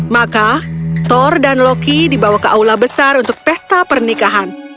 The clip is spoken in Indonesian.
maka thor dan loki dibawa ke aula besar untuk pesta pernikahan